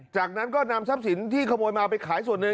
จากนั้นก็นำทรัพย์สินที่ขโมยมาไปขายส่วนหนึ่ง